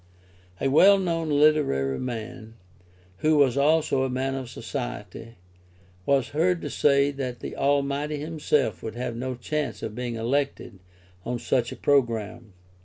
A well known literary man[, who was also a man of society,] was heard to say that the Almighty himself would have no chance of being elected on such a programme.